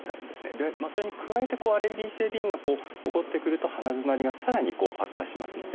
それに加えてアレルギー性鼻炎が起こってくると鼻づまりがさらに悪化しますので。